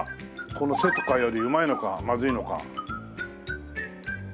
このせとかよりうまいのかまずいのか。